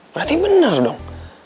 berarti bener dong